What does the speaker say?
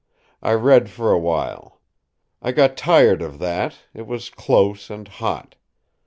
I read for a while. I got tired of that it was close and hot.